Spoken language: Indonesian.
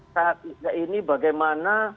saat ini bagaimana